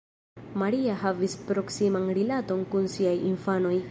Maria havis proksiman rilaton kun siaj infanoj.